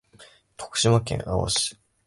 徳島県阿波市